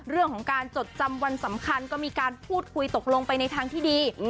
เรื่องของการจดจำวันสำคัญก็มีการพูดคุยตกลงไปในทางที่ดี